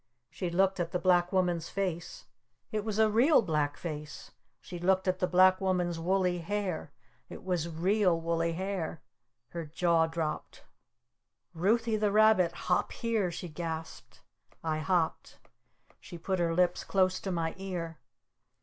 She looked at the Black Woman's face. It was a real black face. She looked at the Black Woman's woolly hair. It was real woolly hair! Her jaw dropped! "Ruthy the Rabbit, hop here!" she gasped. I hopped. She put her lips close to my ear.